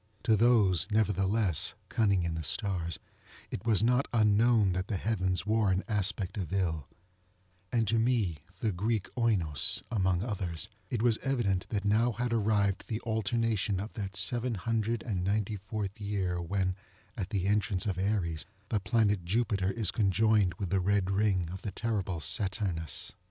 To those, nevertheless, cunning in the stars, it was not unknown that the heavens wore an aspect of ill; and to me, the Greek Oinos, among others, it was evident that now had arrived the alternation of that seven hundred and ninety fourth year when, at the entrance of Aries, the planet Jupiter is conjoined with the red ring of the terrible Saturnus.